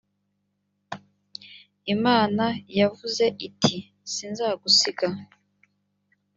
imana yavuze iti sinzagusiga.